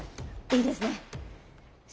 いいですね。